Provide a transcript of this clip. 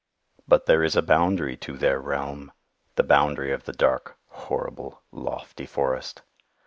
"But there is a boundary to their realm—the boundary of the dark, horrible, lofty forest.